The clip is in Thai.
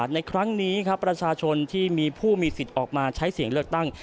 ในครั้งนี้ครับประชาชนที่มีผู้มีสิทธิ์ออกมาใช้เสียงเลือกตั้ง